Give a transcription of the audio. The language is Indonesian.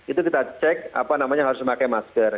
itu kita cek apa namanya harus memakai masker